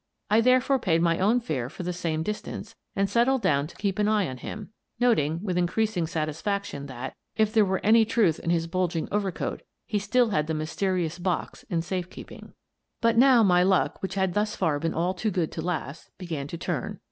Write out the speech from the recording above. I therefore paid my own fare for the same distance and settled down to keep an eye on him, noting, with increasing satisfaction, that, if there were any truth in his bulging overcoat, he still had the mys terious box in safe keeping. But now my luck, which had thus far been all too good to last, began to turn.